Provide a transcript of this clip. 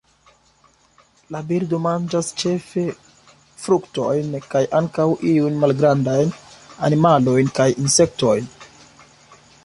La birdo manĝas ĉefe fruktojn kaj ankaŭ iujn malgrandajn animalojn kaj insektojn.